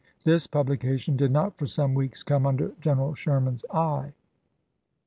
This publi cation did not for some weeks come under General Sherman's eye.